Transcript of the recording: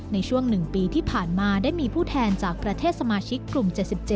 ในช่วง๑ปีที่ผ่านมาได้มีผู้แทนจากประเทศสมาชิกกลุ่ม๗๗